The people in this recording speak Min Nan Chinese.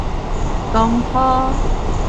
光箍